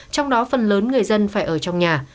trong đó phần lớn người dân phải ở trong nhà